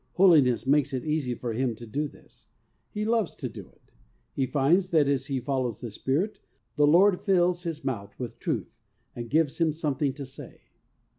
Holiness makes it easy for him to do this. He loves to do it. He finds that, as he follows the Spirit, the Lord fills his mouth with truth, and gives him some thing to say.